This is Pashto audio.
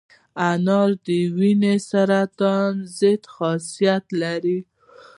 انار د وینې سرطان ضد خاصیت لري.